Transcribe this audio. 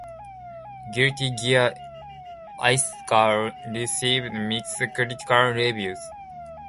"Guilty Gear Isuka" received mixed critical reviews.